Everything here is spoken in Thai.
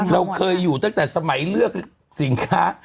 เราเคยอยู่ตั้งแต่สมัยเลือกสินค้า